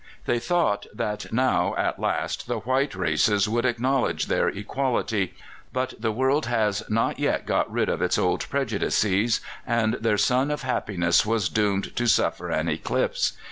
They thought that now at last the white races would acknowledge their equality; but the world has not yet got rid of its old prejudices, and their sun of happiness was doomed to suffer an eclipse.